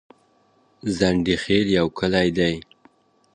ځنډيخيل يو کلي ده